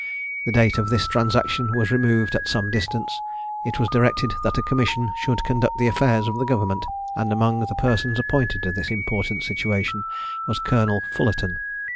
The date of this transaction was removed at some distance. It was directed that a commission should conduct the affairs of the government, and among the persons appointed to this important situation was Colonel Fullarton.